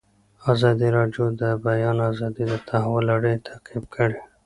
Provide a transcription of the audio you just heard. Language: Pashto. ازادي راډیو د د بیان آزادي د تحول لړۍ تعقیب کړې.